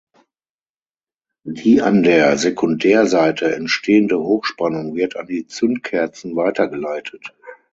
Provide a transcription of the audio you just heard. Die an der Sekundärseite entstehende Hochspannung wird an die Zündkerzen weitergeleitet.